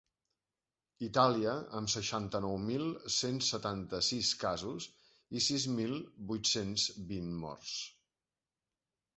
Itàlia, amb seixanta-nou mil cent setanta-sis casos i sis mil vuit-cents vint morts.